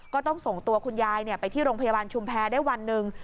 ก็ต้องส่งตัวคุณยายไปที่โรงพยาบาลชุมแพรได้วันหนึ่ง